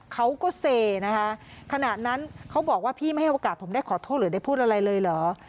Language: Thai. เขาก็เซนะคะขณะนั้นเขาบอกว่าพี่ไม่ให้โอกาสผมได้ขอโทษหรือได้พูดอะไรเลยเหรอ